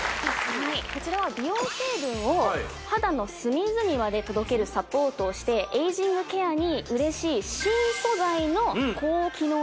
はいこちらは美容成分を肌の隅々まで届けるサポートをしてエイジングケアに嬉しい新素材？